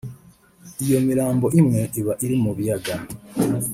iyo mirambo imwe iba iri mu biyaga